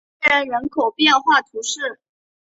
阿然人口变化图示